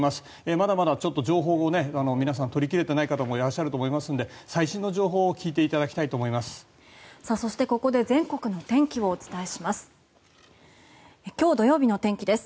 まだまだ情報を皆さん、取り切れていない方もいらっしゃると思いますので最新の情報を聞いていただきたいと思います。